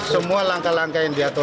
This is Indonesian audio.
semua langkah langkah yang diatur